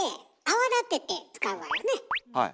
はい。